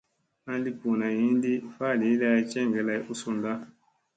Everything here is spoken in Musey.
An li ɓuuna hinɗi faali lay jeŋge lay u sunɗa.